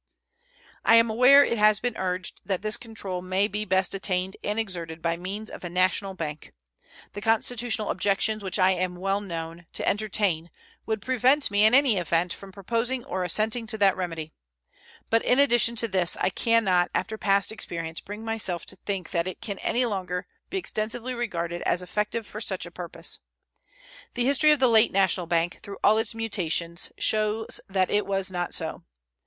I am aware it has been urged that this control may be best attained and exerted by means of a national bank. The constitutional objections which I am well known to entertain would prevent me in any event from proposing or assenting to that remedy; but in addition to this, I can not after past experience bring myself to think that it can any longer be extensively regarded as effective for such a purpose. The history of the late national bank, through all its mutations, shows that it was not so.